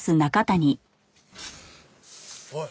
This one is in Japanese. おい。